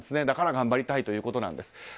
だから頑張りたいということなんです。